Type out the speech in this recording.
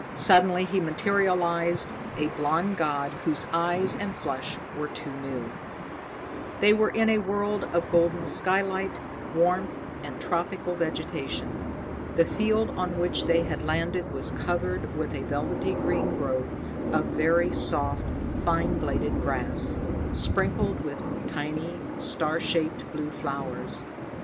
Suddenly he materialized, a blond god, whose eyes and flesh were too new. They were in a world of golden skylight, warmth and tropical vegetation. The field on which they had landed was covered with a velvety green growth of very soft, fine bladed grass, sprinkled with tiny, star shaped blue flowers.